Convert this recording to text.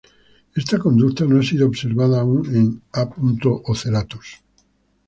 Esta conducta no ha sido observada aún en "A. ocellatus".